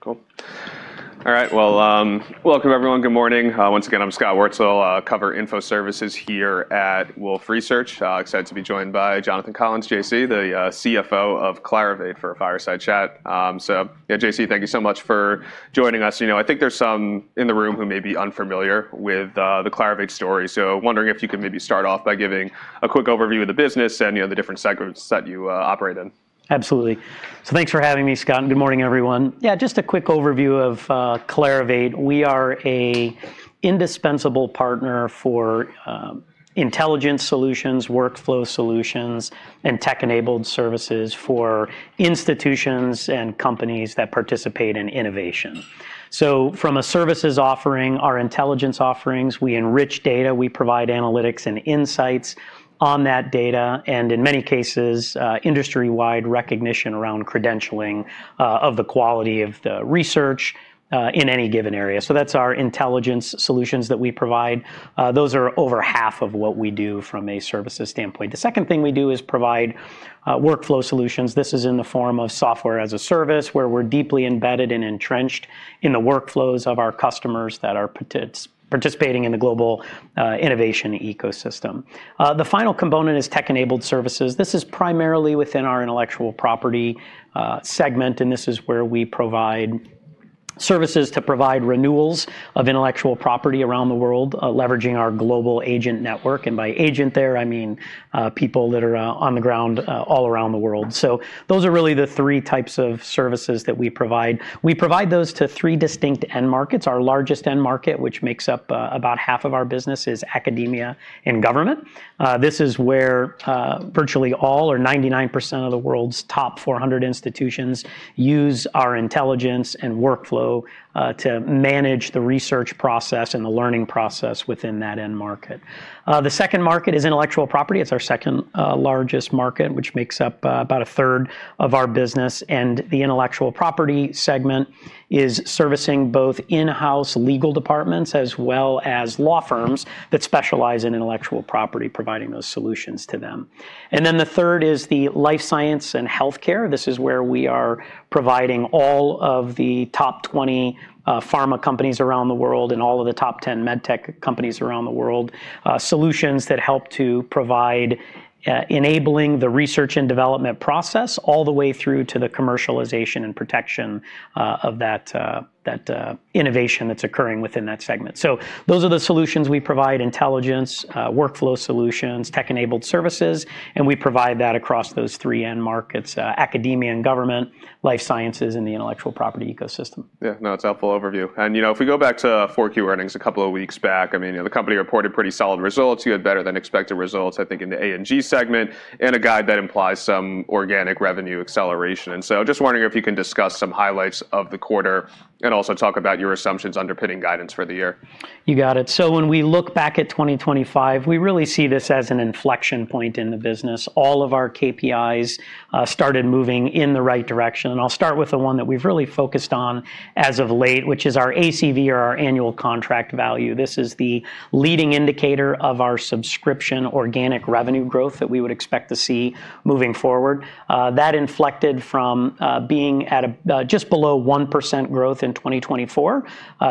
Cool. All right, well, welcome everyone. Good morning. Once again, I'm Scott Wurtzel. I cover info services here at Wolfe Research. Excited to be joined by Jonathan Collins, JC, the CFO of Clarivate for a fireside chat. So yeah, JC, thank you so much for joining us. You know, I think there's some in the room who may be unfamiliar with the Clarivate story, so wondering if you could maybe start off by giving a quick overview of the business and, you know, the different segments that you operate in. Absolutely. Thanks for having me, Scott, and good morning, everyone. Yeah, just a quick overview of Clarivate. We are an indispensable partner for intelligence solutions, workflow solutions, and tech-enabled services for institutions and companies that participate in innovation. From a services offering, our intelligence offerings, we enrich data, we provide analytics and insights on that data, and in many cases, industry-wide recognition around credentialing of the quality of the research in any given area. That's our intelligence solutions that we provide. Those are over half of what we do from a services standpoint. The second thing we do is provide workflow solutions. This is in the form of software-as-a-service, where we're deeply embedded and entrenched in the workflows of our customers that are participating in the global innovation ecosystem. The final component is tech-enabled services. This is primarily within our Intellectual Property segment, and this is where we provide services to provide renewals of Intellectual Property around the world, leveraging our global agent network, and by "agent" there, I mean, people that are on the ground all around the world. Those are really the three types of services that we provide. We provide those to three distinct end markets. Our largest end market, which makes up about 1/2 of our business, is Academia and Government. This is where virtually all or 99% of the world's top 400 institutions use our intelligence and workflow to manage the research process and the learning process within that end market. The second market is Intellectual Property. It's our second largest market, which makes up about 1/3 of our business. The Intellectual Property segment is servicing both in-house legal departments as well as law firms that specialize in Intellectual Property, providing those solutions to them. The third is the Life Sciences and Healthcare. This is where we are providing all of the top 20 pharma companies around the world and all of the top 10 med tech companies around the world, solutions that help to provide enabling the research and development process all the way through to the commercialization and protection of that innovation that's occurring within that segment. Those are the solutions we provide, intelligence, workflow solutions, tech-enabled services, and we provide that across those three end markets, Academia and Government, Life Sciences, and the Intellectual Property ecosystem. Yeah, no, it's a helpful overview. You know, if we go back to 4-Q earnings a couple of weeks back, I mean, you know, the company reported pretty solid results. You had better-than-expected results, I think, in the A&G segment and a guide that implies some organic revenue acceleration. Just wondering if you can discuss some highlights of the quarter and also talk about your assumptions underpinning guidance for the year. You got it. When we look back at 2025, we really see this as an inflection point in the business. All of our KPIs started moving in the right direction. I'll start with the one that we've really focused on as of late, which is our ACV, or our annual contract value. This is the leading indicator of our subscription organic revenue growth that we would expect to see moving forward. That inflected from being at a just below 1% growth in 2024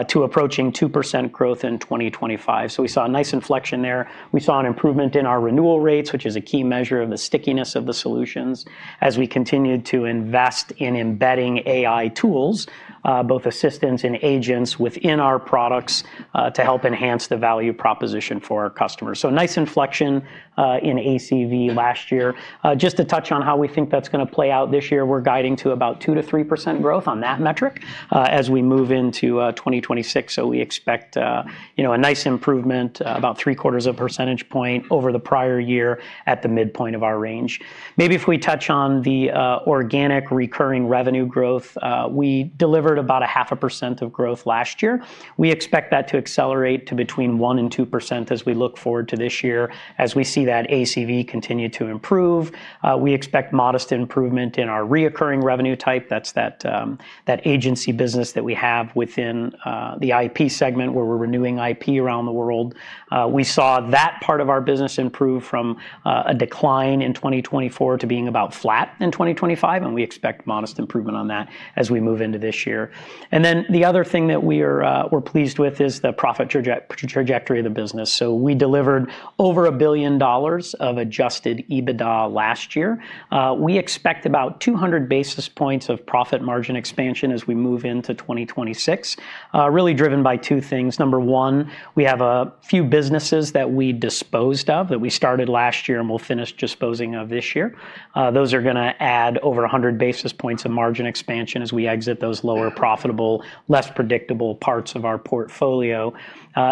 to approaching 2% growth in 2025. We saw a nice inflection there. We saw an improvement in our renewal rates, which is a key measure of the stickiness of the solutions as we continued to invest in embedding AI tools, both assistants and agents, within our products, to help enhance the value proposition for our customers. Nice inflection in ACV last year. Just to touch on how we think that's gonna play out this year, we're guiding to about 2%-3% growth on that metric, as we move into 2026. We expect, you know, a nice improvement, about three-quarters of a percentage point over the prior year at the midpoint of our range. Maybe if we touch on the organic recurring revenue growth, we delivered about 0.5% of growth last year. We expect that to accelerate to between 1% and 2% as we look forward to this year. As we see that ACV continue to improve, we expect modest improvement in our recurring revenue type. That's that agency business that we have within the IP segment, where we're renewing IP around the world. We saw that part of our business improve from a decline in 2024 to being about flat in 2025, and we expect modest improvement on that as we move into this year. The other thing that we are pleased with is the profit trajectory of the business. We delivered over $1 billion of adjusted EBITDA last year. We expect about 200 basis points of profit margin expansion as we move into 2026, really driven by two things. Number one, we have a few businesses that we disposed of that we started last year and we'll finish disposing of this year. Those are gonna add over 100 basis points of margin expansion as we exit those lower profitable, less predictable parts of our portfolio.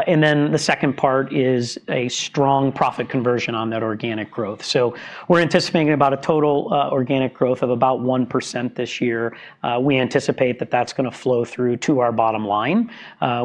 Then the second part is a strong profit conversion on that organic growth. We're anticipating about a total organic growth of about 1% this year. We anticipate that that's gonna flow through to our bottom line.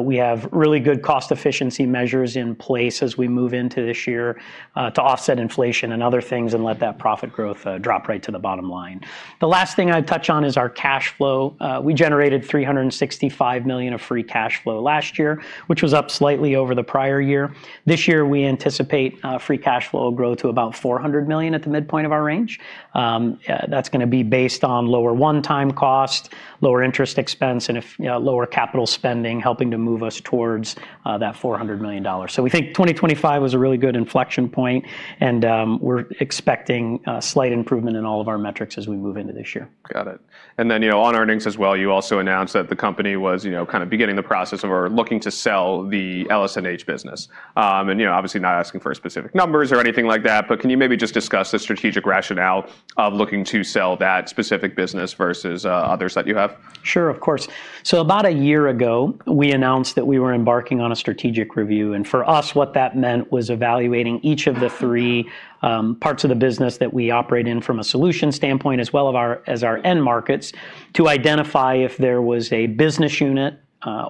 We have really good cost efficiency measures in place as we move into this year to offset inflation and other things and let that profit growth drop right to the bottom line. The last thing I'd touch on is our cash flow. We generated $365 million of free cash flow last year, which was up slightly over the prior year. This year, we anticipate free cash flow will grow to about $400 million at the midpoint of our range. That's gonna be based on lower one-time cost, lower interest expense, and you know, lower capital spending, helping to move us towards that $400 million. We think 2025 was a really good inflection point, and we're expecting a slight improvement in all of our metrics as we move into this year. Got it. You know, on earnings as well, you also announced that the company was, you know, kind of beginning the process of, or looking to sell the LS&H business. And, you know, obviously not asking for specific numbers or anything like that, but can you maybe just discuss the strategic rationale of looking to sell that specific business versus, others that you have? Sure, of course. About a year ago, we announced that we were embarking on a strategic review, and for us, what that meant was evaluating each of the three parts of the business that we operate in from a solutions standpoint, as well as our end markets, to identify if there was a business unit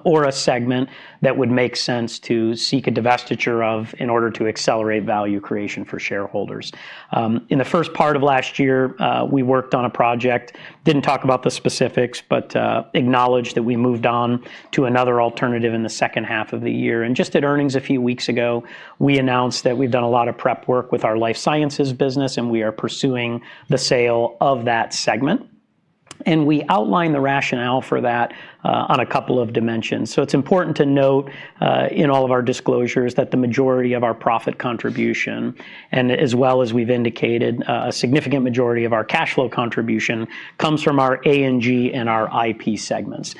or a segment that would make sense to seek a divestiture of in order to accelerate value creation for shareholders. In the first part of last year, we worked on a project, didn't talk about the specifics, but acknowledged that we moved on to another alternative in the second half of the year. Just at earnings a few weeks ago, we announced that we've done a lot of prep work with our Life Sciences business, and we are pursuing the sale of that segment. We outline the rationale for that on a couple of dimensions. It's important to note in all of our disclosures that the majority of our profit contribution, and as well as we've indicated, a significant majority of our cash flow contribution comes from our A&G and our IP segments.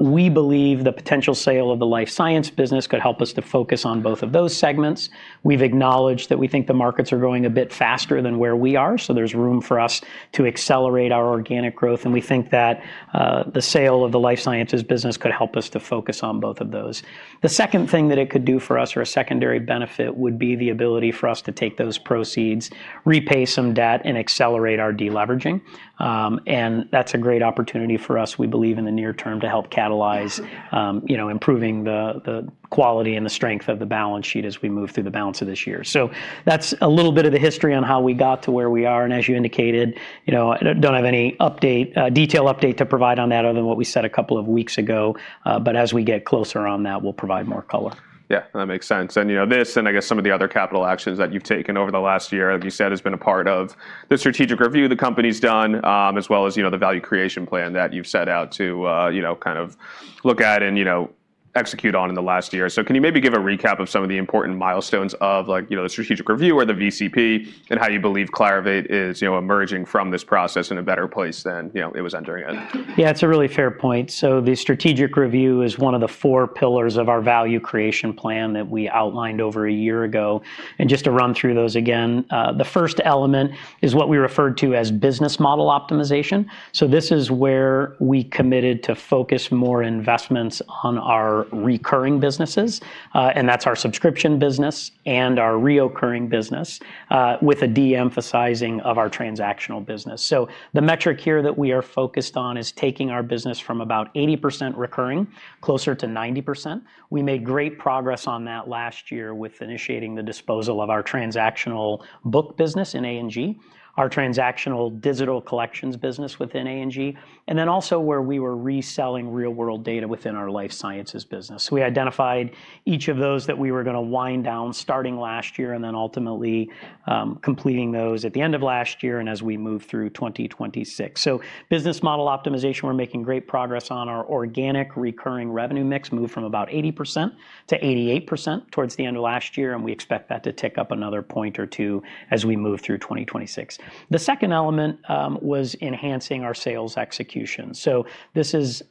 We believe the potential sale of the Life Sciences business could help us to focus on both of those segments. We've acknowledged that we think the markets are growing a bit faster than where we are, so there's room for us to accelerate our organic growth. We think that the sale of the Life Sciences business could help us to focus on both of those. The second thing that it could do for us, or a secondary benefit, would be the ability for us to take those proceeds, repay some debt, and accelerate our de-leveraging. That's a great opportunity for us, we believe, in the near term to help catalyze you know, improving the quality and the strength of the balance sheet as we move through the balance of this year. That's a little bit of the history on how we got to where we are. As you indicated, you know, I don't have any detail update to provide on that other than what we said a couple of weeks ago. But as we get closer on that, we'll provide more color. Yeah, that makes sense. You know, this and I guess some of the other capital actions that you've taken over the last year, as you said, has been a part of the strategic review the company's done, as well as, you know, the value creation plan that you've set out to, you know, kind of look at and, you know, execute on in the last year. Can you maybe give a recap of some of the important milestones of like, you know, the strategic review or the VCP and how you believe Clarivate is, you know, emerging from this process in a better place than, you know, it was entering in? Yeah, it's a really fair point. The strategic review is one of the four pillars of our value creation plan that we outlined over a year ago. Just to run through those again, the first element is what we referred to as business model optimization. This is where we committed to focus more investments on our recurring businesses, and that's our subscription business and our recurring business, with a de-emphasizing of our transactional business. The metric here that we are focused on is taking our business from about 80% recurring closer to 90%. We made great progress on that last year with initiating the disposal of our transactional book business in A&G, our transactional digital collections business within A&G, and then also where we were reselling real-world data within our Life Sciences business. We identified each of those that we were gonna wind down starting last year and then ultimately completing those at the end of last year and as we move through 2026. Business model optimization, we're making great progress on. Our organic recurring revenue mix moved from about 80%-88% towards the end of last year, and we expect that to tick up another point or two as we move through 2026. The second element was enhancing our sales execution. This is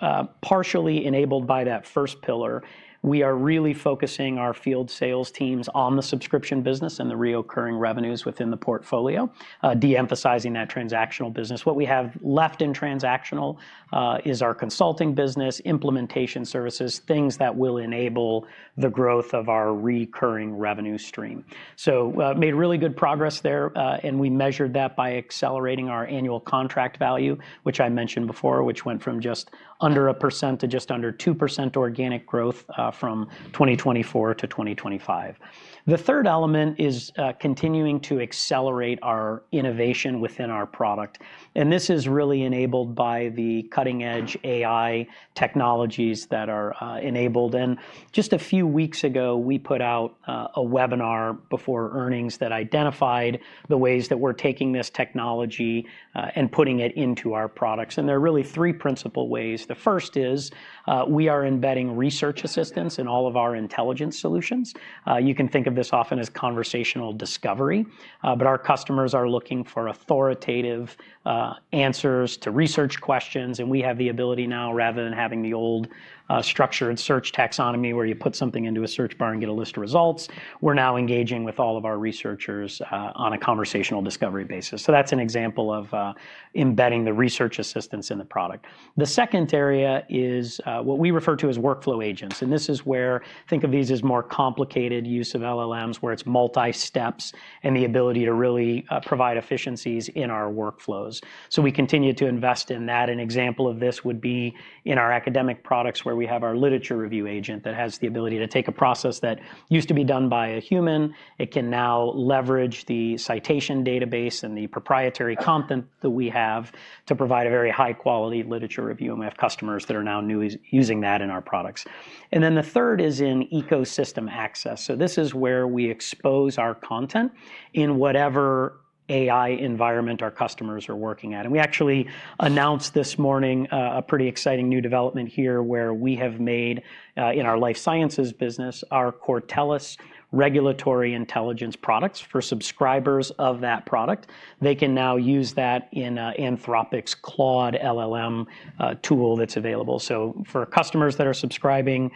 partially enabled by that first pillar. We are really focusing our field sales teams on the subscription business and the recurring revenues within the portfolio, de-emphasizing that transactional business. What we have left in transactional is our consulting business, implementation services, things that will enable the growth of our recurring revenue stream. Made really good progress there, and we measured that by accelerating our annual contract value, which I mentioned before, which went from just under 1% to just under 2% organic growth, from 2024 to 2025. The third element is continuing to accelerate our innovation within our product, and this is really enabled by the cutting-edge AI technologies that are enabled. Just a few weeks ago, we put out a webinar before earnings that identified the ways that we're taking this technology and putting it into our products. There are really three principal ways. The first is we are embedding research assistance in all of our intelligence solutions. You can think of this often as conversational discovery, but our customers are looking for authoritative answers to research questions, and we have the ability now rather than having the old structured search taxonomy, where you put something into a search bar and get a list of results. We're now engaging with all of our researchers on a conversational discovery basis. That's an example of embedding the research assistance in the product. The second area is what we refer to as workflow agents, and this is where, think of these as more complicated use of LLMs, where it's multi-steps and the ability to really provide efficiencies in our workflows. We continue to invest in that. An example of this would be in our academic products where we have our literature review agent that has the ability to take a process that used to be done by a human. It can now leverage the citation database and the proprietary content that we have to provide a very high-quality literature review, and we have customers that are now using that in our products. Then the third is in ecosystem access. This is where we expose our content in whatever AI environment our customers are working at. We actually announced this morning a pretty exciting new development here where we have made in our Life Sciences business our Cortellis regulatory intelligence products. For subscribers of that product, they can now use that in Anthropic's Claude LLM tool that's available. For customers that are subscribing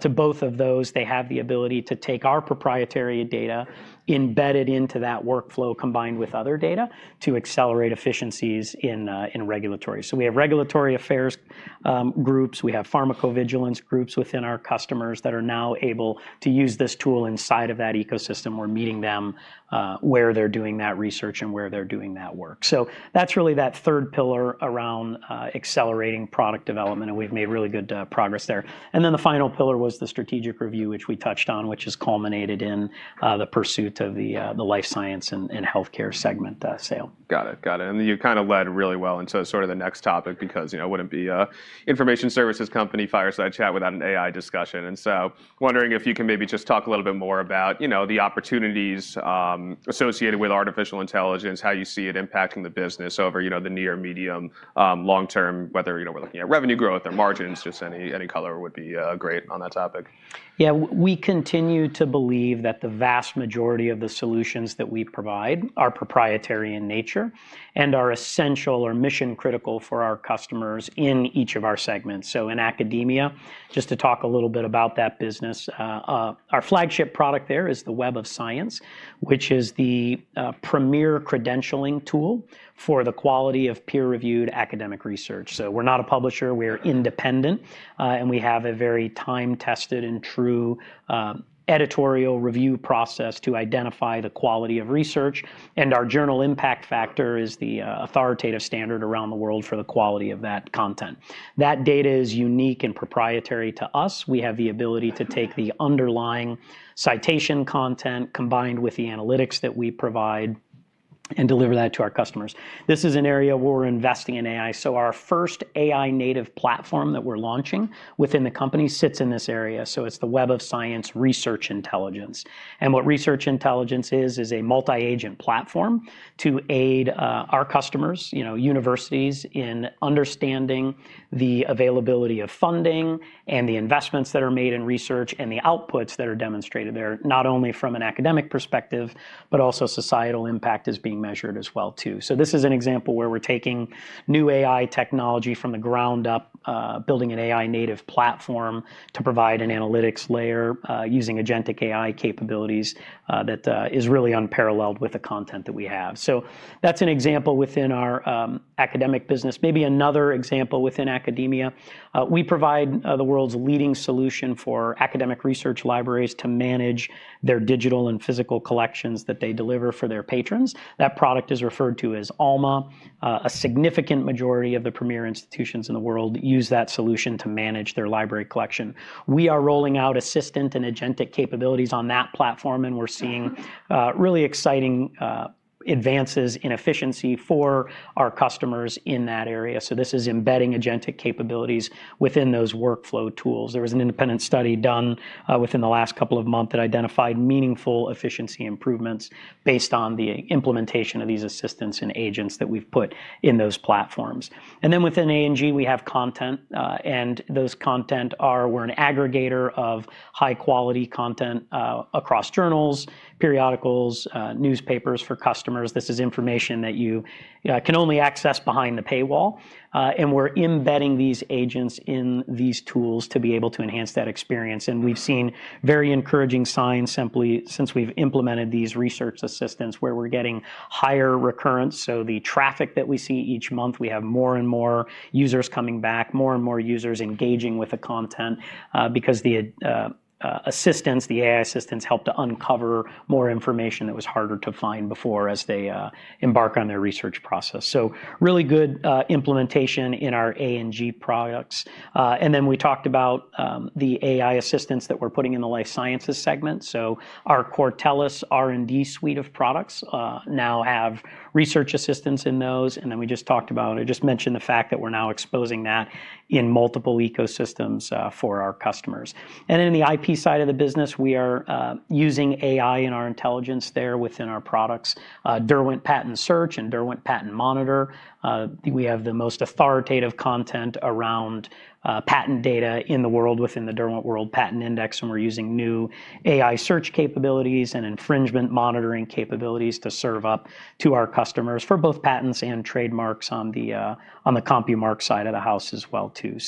to both of those, they have the ability to take our proprietary data, embed it into that workflow combined with other data to accelerate efficiencies in regulatory. We have regulatory affairs groups. We have pharmacovigilance groups within our customers that are now able to use this tool inside of that ecosystem. We're meeting them where they're doing that research and where they're doing that work. That's really that third pillar around accelerating product development, and we've made really good progress there. The final pillar was the strategic review, which we touched on, which has culminated in the pursuit of the Life Sciences and Healthcare segment sale. Got it. You kind of led really well into sort of the next topic because, you know, it wouldn't be a information services company fireside chat without an AI discussion. Wondering if you can maybe just talk a little bit more about, you know, the opportunities associated with artificial intelligence, how you see it impacting the business over, you know, the near, medium, long term, whether, you know, we're looking at revenue growth or margins, just any color would be great on that topic. Yeah. We continue to believe that the vast majority of the solutions that we provide are proprietary in nature and are essential or mission-critical for our customers in each of our segments. In Academia, just to talk a little bit about that business, our flagship product there is the Web of Science, which is the premier credentialing tool for the quality of peer-reviewed academic research. We're not a publisher, we're independent, and we have a very time-tested and true editorial review process to identify the quality of research. Our Journal Impact Factor is the authoritative standard around the world for the quality of that content. That data is unique and proprietary to us. We have the ability to take the underlying citation content combined with the analytics that we provide and deliver that to our customers. This is an area where we're investing in AI. Our first AI-native platform that we're launching within the company sits in this area. It's the Web of Science Research Intelligence. What Research Intelligence is is a multi-agent platform to aid our customers, you know, universities, in understanding the availability of funding and the investments that are made in research and the outputs that are demonstrated there, not only from an academic perspective, but also societal impact is being measured as well too. This is an example where we're taking new AI technology from the ground up, building an AI-native platform to provide an analytics layer, using agentic AI capabilities that is really unparalleled with the content that we have. That's an example within our academic business. Maybe another example within Academia, we provide the world's leading solution for academic research libraries to manage their digital and physical collections that they deliver for their patrons. That product is referred to as Alma. A significant majority of the premier institutions in the world use that solution to manage their library collection. We are rolling out assistant and agentic capabilities on that platform, and we're seeing really exciting advances in efficiency for our customers in that area. This is embedding agentic capabilities within those workflow tools. There was an independent study done within the last couple of months that identified meaningful efficiency improvements based on the implementation of these assistants and agents that we've put in those platforms. Within A&G, we have content, we're an aggregator of high-quality content across journals, periodicals, newspapers for customers. This is information that you can only access behind the paywall, and we're embedding these agents in these tools to be able to enhance that experience. We've seen very encouraging signs simply since we've implemented these research assistants where we're getting higher recurrence. The traffic that we see each month, we have more and more users coming back, more and more users engaging with the content because the assistants, the AI assistants help to uncover more information that was harder to find before as they embark on their research process. Really good implementation in our A&G products. We talked about the AI assistants that we're putting in the Life Sciences segment. Our Cortellis R&D suite of products now have research assistants in those. I just mentioned the fact that we're now exposing that in multiple ecosystems for our customers. In the IP side of the business, we are using AI in our intelligence there within our products, Derwent Patent Search and Derwent Patent Monitor. We have the most authoritative content around patent data in the world within the Derwent World Patents Index, and we're using new AI search capabilities and infringement monitoring capabilities to serve up to our customers for both patents and trademarks on the CompuMark side of the house as well too.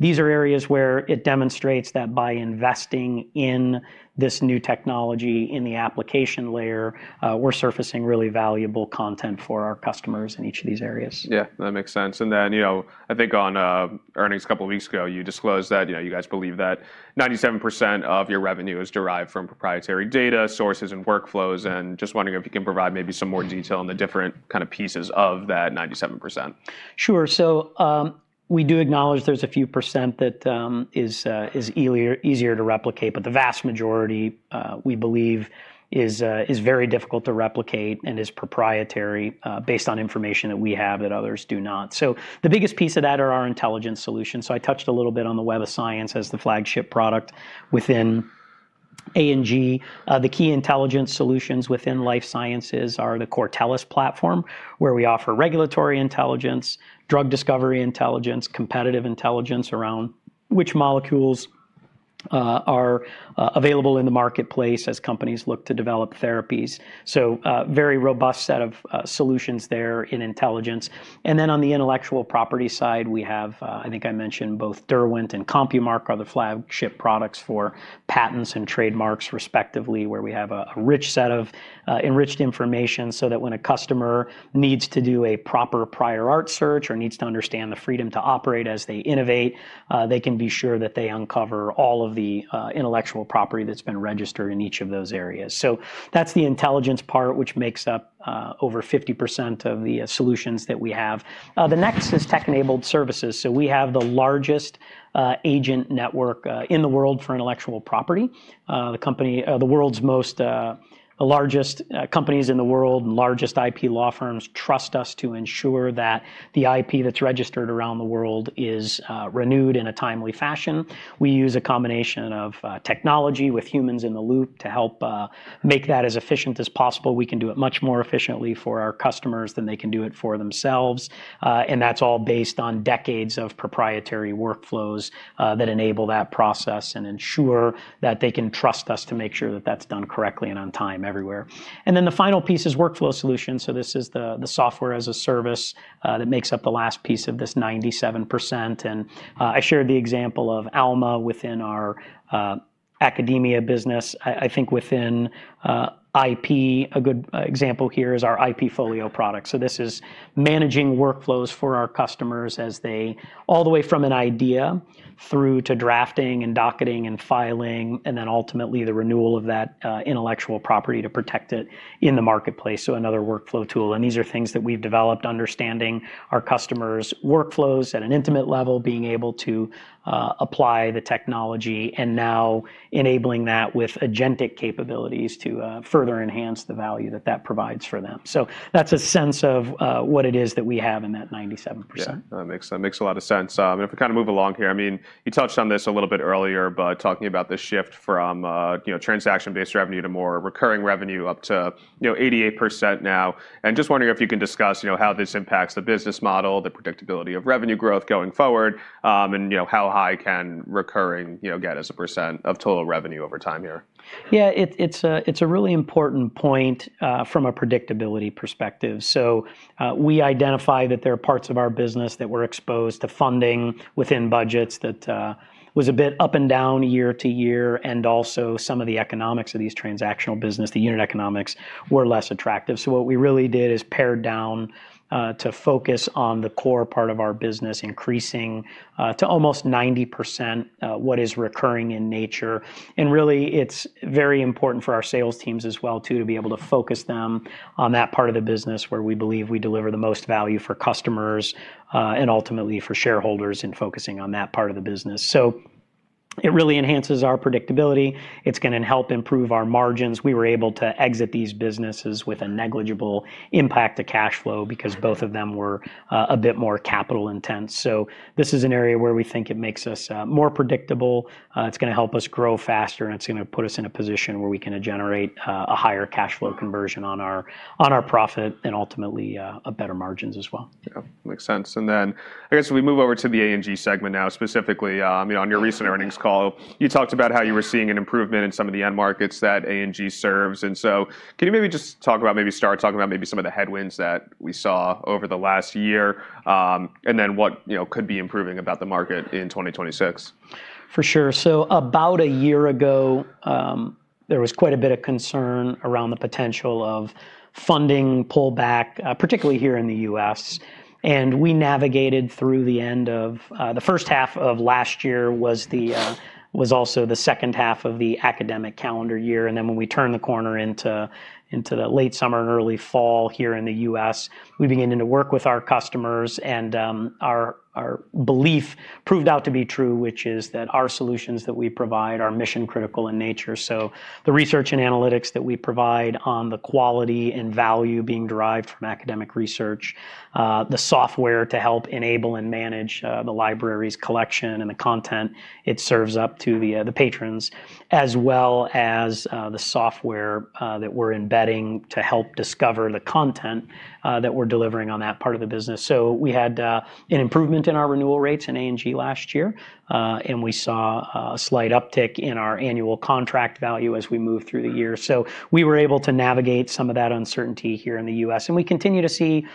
These are areas where it demonstrates that by investing in this new technology in the application layer, we're surfacing really valuable content for our customers in each of these areas. Yeah. That makes sense. Then, you know, I think on earnings a couple of weeks ago, you disclosed that, you know, you guys believe that 97% of your revenue is derived from proprietary data sources and workflows, and just wondering if you can provide maybe some more detail on the different kind of pieces of that 97%. Sure. We do acknowledge there's a few percent that is easier to replicate, but the vast majority we believe is very difficult to replicate and is proprietary based on information that we have that others do not. The biggest piece of that are our intelligence solutions. I touched a little bit on the Web of Science as the flagship product within A&G. The key intelligence solutions within Life Sciences are the Cortellis platform, where we offer regulatory intelligence, drug discovery intelligence, competitive intelligence around which molecules are available in the marketplace as companies look to develop therapies. Very robust set of solutions there in intelligence. On the Intellectual Property side, we have. I think I mentioned both Derwent and CompuMark are the flagship products for patents and trademarks respectively, where we have a rich set of enriched information so that when a customer needs to do a proper prior art search or needs to understand the freedom to operate as they innovate, they can be sure that they uncover all of the Intellectual Property that's been registered in each of those areas. That's the intelligence part, which makes up over 50% of the solutions that we have. The next is tech-enabled services. We have the largest agent network in the world for Intellectual Property. The world's most largest companies in the world and largest IP law firms trust us to ensure that the IP that's registered around the world is renewed in a timely fashion. We use a combination of technology with humans in the loop to help make that as efficient as possible. We can do it much more efficiently for our customers than they can do it for themselves. That's all based on decades of proprietary workflows that enable that process and ensure that they can trust us to make sure that that's done correctly and on time everywhere. The final piece is workflow solutions. This is the software as a service that makes up the last piece of this 97%. I shared the example of Alma within our Academia business. I think within IP, a good example here is our IPfolio product. This is managing workflows for our customers as they all the way from an idea through to drafting and docketing and filing, and then ultimately the renewal of that Intellectual Property to protect it in the marketplace. Another workflow tool, and these are things that we've developed understanding our customers' workflows at an intimate level, being able to apply the technology and now enabling that with agentic capabilities to further enhance the value that that provides for them. That's a sense of what it is that we have in that 97%. Yeah. That makes a lot of sense. If we kinda move along here, I mean, you touched on this a little bit earlier, but talking about the shift from, you know, transaction-based revenue to more recurring revenue up to, you know, 88% now, and just wondering if you can discuss, you know, how this impacts the business model, the predictability of revenue growth going forward, and, you know, how high can recurring, you know, get as a percent of total revenue over time here. Yeah, it's a really important point from a predictability perspective. We identify that there are parts of our business that were exposed to funding within budgets that was a bit up and down year to year, and also some of the economics of these transactional businesses, the unit economics, were less attractive. What we really did is pare down to focus on the core part of our business, increasing to almost 90% what is recurring in nature. Really, it's very important for our sales teams as well too, to be able to focus them on that part of the business where we believe we deliver the most value for customers and ultimately for shareholders in focusing on that part of the business. It really enhances our predictability. It's gonna help improve our margins. We were able to exit these businesses with a negligible impact to cash flow because both of them were a bit more capital-intense. This is an area where we think it makes us more predictable. It's gonna help us grow faster, and it's gonna put us in a position where we can generate a higher cash flow conversion on our profit and ultimately a better margins as well. Yeah. Makes sense. Then I guess we move over to the A&G segment now. Specifically, you know, on your recent earnings call, you talked about how you were seeing an improvement in some of the end markets that A&G serves. Can you maybe just talk about some of the headwinds that we saw over the last year, and then what, you know, could be improving about the market in 2026? For sure. About a year ago, there was quite a bit of concern around the potential of funding pullback, particularly here in the U.S., and we navigated through the end of the first half of last year, which was also the second half of the academic calendar year, and then when we turned the corner into the late summer and early fall here in the U.S., we began to work with our customers and our belief proved out to be true, which is that our solutions that we provide are mission-critical in nature. The research and analytics that we provide on the quality and value being derived from academic research, the software to help enable and manage the library's collection and the content it serves up to the patrons, as well as the software that we're embedding to help discover the content that we're delivering on that part of the business. We had an improvement in our renewal rates in A&G last year, and we saw a slight uptick in our annual contract value as we moved through the year. We were able to navigate some of that uncertainty here in the U.S. We continue to see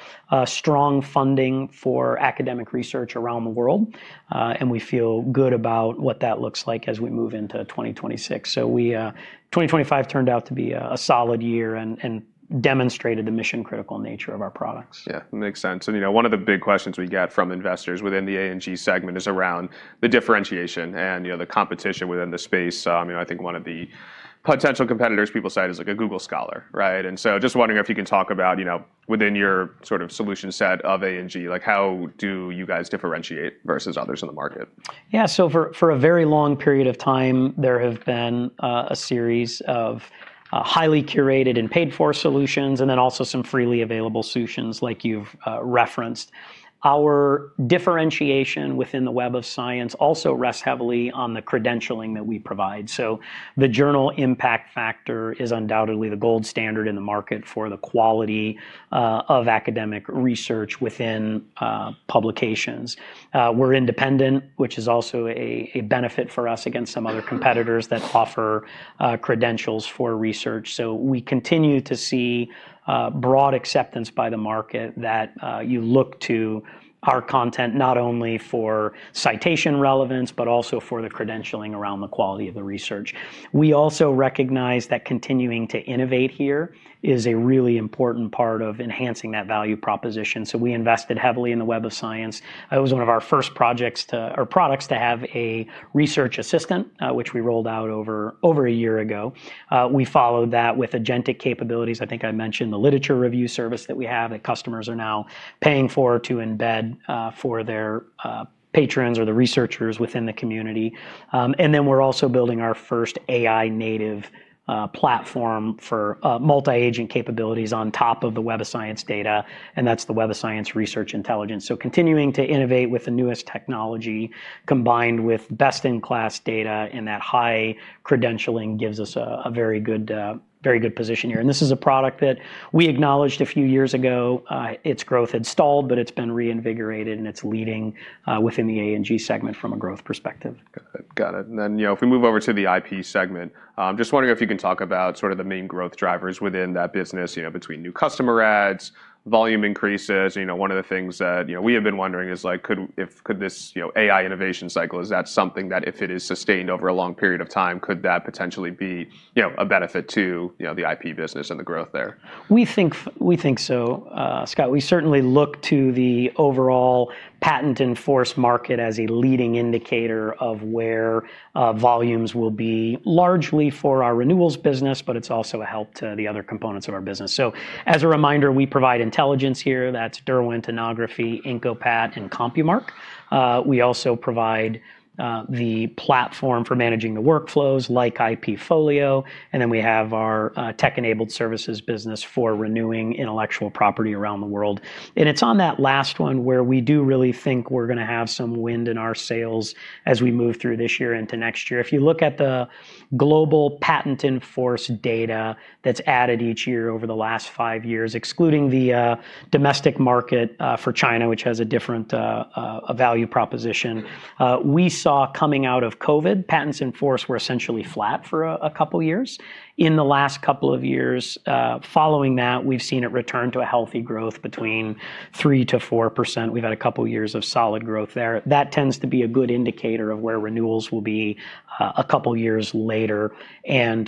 strong funding for academic research around the world, and we feel good about what that looks like as we move into 2026. 2025 turned out to be a solid year and demonstrated the mission-critical nature of our products. Yeah. Makes sense. You know, one of the big questions we get from investors within the A&G segment is around the differentiation and, you know, the competition within the space. You know, I think one of the potential competitors people cite is, like, Google Scholar, right? Just wondering if you can talk about, you know, within your sort of solution set of A&G, like, how do you guys differentiate versus others in the market? Yeah. For a very long period of time, there have been a series of highly curated and paid-for solutions and then also some freely available solutions like you've referenced. Our differentiation within the Web of Science also rests heavily on the credentialing that we provide. The Journal Impact Factor is undoubtedly the gold standard in the market for the quality of academic research within publications. We're independent, which is also a benefit for us against some other competitors that offer credentials for research. We continue to see broad acceptance by the market that you look to our content not only for citation relevance but also for the credentialing around the quality of the research. We also recognize that continuing to innovate here is a really important part of enhancing that value proposition, so we invested heavily in the Web of Science. That was one of our first products to have a research assistant, which we rolled out over a year ago. We followed that with agentic capabilities. I think I mentioned the literature review service that we have that customers are now paying for to embed for their patrons or the researchers within the community. We're also building our first AI-native platform for multi-agent capabilities on top of the Web of Science data, and that's the Web of Science Research Intelligence. Continuing to innovate with the newest technology combined with best-in-class data and that high credentialing gives us a very good position here. This is a product that we acknowledged a few years ago. Its growth had stalled, but it's been reinvigorated, and it's leading within the A&G segment from a growth perspective. Got it. You know, if we move over to the IP segment, just wondering if you can talk about sort of the main growth drivers within that business, you know, between new customer adds, volume increases. You know, one of the things that, you know, we have been wondering is, like, could this, you know, AI innovation cycle, is that something that if it is sustained over a long period of time, could that potentially be, you know, a benefit to, you know, the IP business and the growth there? We think so, Scott. We certainly look to the overall patents in force market as a leading indicator of where volumes will be largely for our renewals business, but it's also a help to the other components of our business. As a reminder, we provide intelligence here. That's Derwent, Innography, IncoPat, and CompuMark. We also provide the platform for managing the workflows like IPfolio, and then we have our tech-enabled services business for renewing Intellectual Property around the world. It's on that last one where we do really think we're gonna have some wind in our sails as we move through this year into next year. If you look at the global patents in force data that's added each year over the last five years, excluding the domestic market for China, which has a different value proposition, we saw coming out of COVID, patents in force were essentially flat for a couple years. In the last couple of years following that, we've seen it return to a healthy growth between 3%-4%. We've had a couple years of solid growth there. That tends to be a good indicator of where renewals will be a couple years later.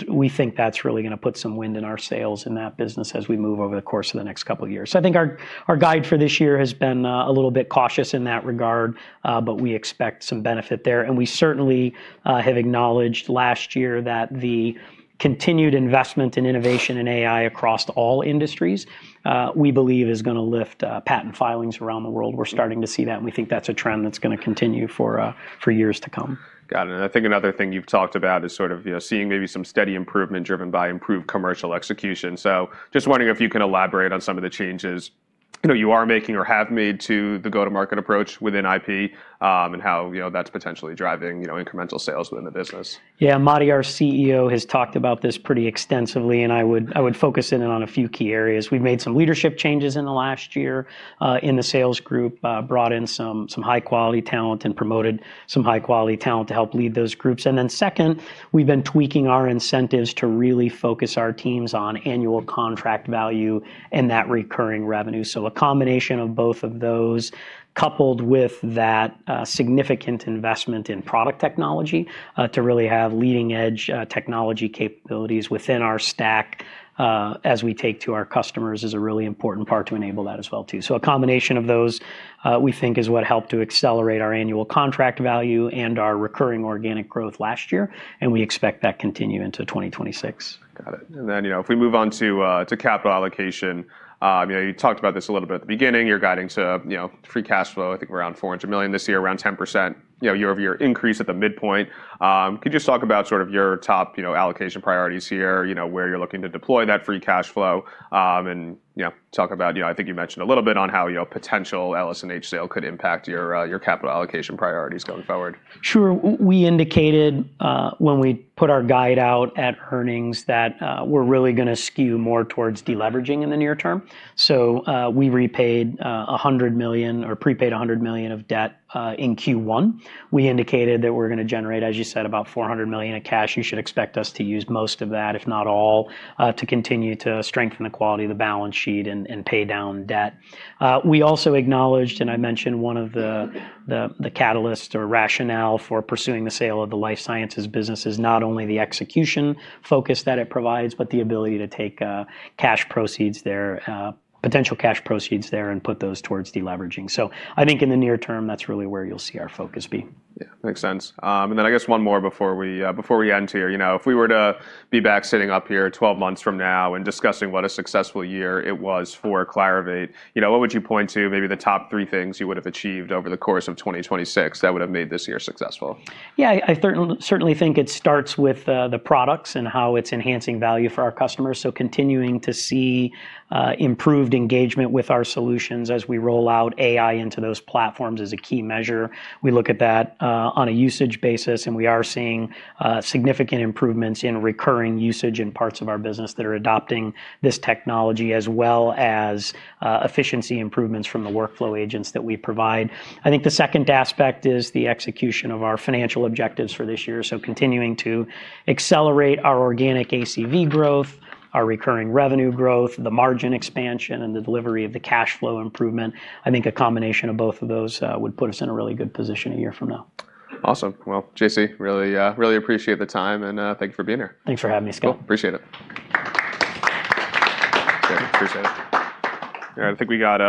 We think that's really gonna put some wind in our sails in that business as we move over the course of the next couple years. I think our guide for this year has been a little bit cautious in that regard, but we expect some benefit there. We certainly have acknowledged last year that the continued investment in innovation and AI across all industries, we believe is gonna lift patent filings around the world. We're starting to see that, and we think that's a trend that's gonna continue for years to come. Got it. I think another thing you've talked about is sort of, you know, seeing maybe some steady improvement driven by improved commercial execution. Just wondering if you can elaborate on some of the changes, you know, you are making or have made to the go-to-market approach within IP, and how, you know, that's potentially driving, you know, incremental sales within the business. Yeah. Matti, our CEO, has talked about this pretty extensively, and I would focus in on a few key areas. We made some leadership changes in the last year in the sales group, brought in some high-quality talent and promoted some high-quality talent to help lead those groups. Second, we've been tweaking our incentives to really focus our teams on annual contract value and that recurring revenue. A combination of both of those coupled with that significant investment in product technology to really have leading-edge technology capabilities within our stack as we take to our customers is a really important part to enable that as well too. A combination of those, we think is what helped to accelerate our annual contract value and our recurring organic growth last year, and we expect that continue into 2026. Got it. You know, if we move on to capital allocation, you know, you talked about this a little bit at the beginning. You're guiding to, you know, free cash flow. I think we're around $400 million this year, around 10%, you know, year-over-year increase at the midpoint. Could you just talk about sort of your top, you know, allocation priorities here, you know, where you're looking to deploy that free cash flow, and you know, talk about, you know, I think you mentioned a little bit on how, you know, potential LS&H sale could impact your capital allocation priorities going forward. Sure. We indicated when we put our guide out at earnings that we're really gonna skew more towards deleveraging in the near term. We repaid, or prepaid $100 million of debt in Q1. We indicated that we're gonna generate, as you said, about $400 million of cash. You should expect us to use most of that, if not all, to continue to strengthen the quality of the balance sheet and pay down debt. We also acknowledged, and I mentioned one of the catalyst or rationale for pursuing the sale of the Life Sciences business is not only the execution focus that it provides, but the ability to take potential cash proceeds there and put those towards deleveraging. I think in the near term, that's really where you'll see our focus be. Yeah. Makes sense. I guess one more before we end here. You know, if we were to be back sitting up here 12 months from now and discussing what a successful year it was for Clarivate, you know, what would you point to, maybe the top three things you would have achieved over the course of 2026 that would have made this year successful? Yeah. I certainly think it starts with the products and how it's enhancing value for our customers, so continuing to see improved engagement with our solutions as we roll out AI into those platforms is a key measure. We look at that on a usage basis, and we are seeing significant improvements in recurring usage in parts of our business that are adopting this technology as well as efficiency improvements from the workflow agents that we provide. I think the second aspect is the execution of our financial objectives for this year, so continuing to accelerate our organic ACV growth, our recurring revenue growth, the margin expansion, and the delivery of the cash flow improvement. I think a combination of both of those would put us in a really good position a year from now. Awesome. Well, JC, really appreciate the time, and thank you for being here. Thanks for having me, Scott. Cool. Appreciate it. Great. Appreciate it. All right. I think we got,